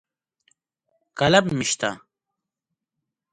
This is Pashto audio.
قلم مې شته.